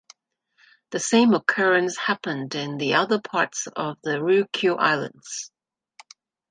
The same occurrence happened in the other parts of the Ryukyu Islands.